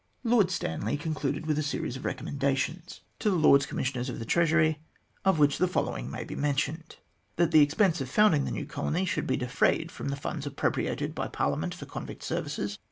Lord Stanley concluded with a series of recommendations 20 THE GLADSTONE COLONY to the Lords Commissioners of the Treasury, of which the following may be mentioned : That the expense of founding the new colony should be defrayed from the funds appropriated by Parliament for convict services.